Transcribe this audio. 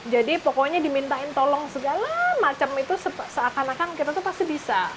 jadi pokoknya dimintain tolong segala macam itu seakan akan kita tuh pasti bisa